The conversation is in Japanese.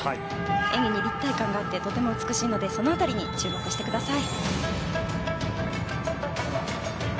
演技に立体感があってとても美しいのでその辺りに注目してください。